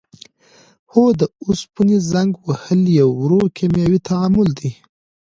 هو د اوسپنې زنګ وهل یو ورو کیمیاوي تعامل دی.